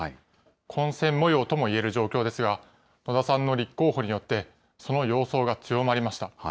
混戦模様ともいえる状況ですが、野田さんの立候補によって、その様相が強まりました。